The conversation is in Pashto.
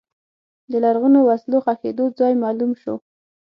د لرغونو وسلو ښخېدو ځای معلوم شو.